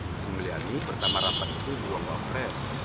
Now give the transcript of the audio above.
maksudnya muliani pertama rapat itu buang wafres